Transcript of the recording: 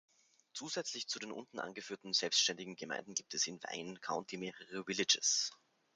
Zusätzlich zu den unten angeführten selbständigen Gemeinden gibt es im Wayne County mehrere "villages".